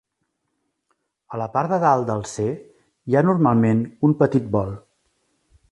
A la part de dalt del "C" hi ha normalment un petit vol.